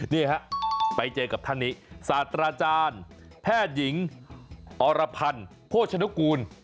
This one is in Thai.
นี่ฮะไปเจอกับท่านนี้ศาสตราจารย์แพทย์หญิงอรพันธ์โภชนุกูล